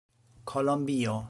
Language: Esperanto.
kolombio